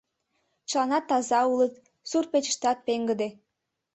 Чыланат таза улыт, сурт-печыштат пеҥгыде.